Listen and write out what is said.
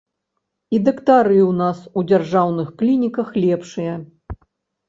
І дактары ў нас ў дзяржаўных клініках лепшыя.